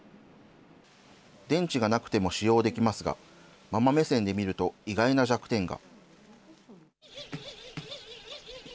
電池がなくても使用できますが、ママ目線で見ると、意外な弱点が。